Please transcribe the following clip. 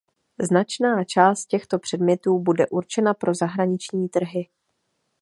Značná část těchto předmětů bude určena pro zahraniční trhy.